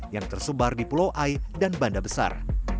yang tersebar di pulau ai dan banda besar